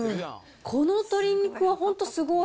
この鶏肉は本当すごい。